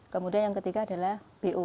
kemudian yang ketiga adalah bo